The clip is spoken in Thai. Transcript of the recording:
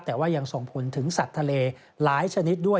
แต่ว่ายังส่งผลถึงสัตว์ทะเลหลายชนิดด้วย